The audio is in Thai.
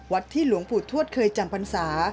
วัดที่หลวงปู่ทวดเคยจำพันศา